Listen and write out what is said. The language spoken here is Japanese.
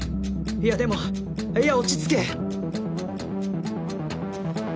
いやでもいや落ち着け！